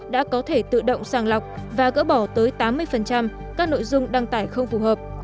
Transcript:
đã có thể tự động sàng lọc và gỡ bỏ tới tám mươi các nội dung đăng tải không phù hợp